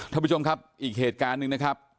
ท่านผู้ชมครับอีกเหตุการณ์หนึ่งนะครับ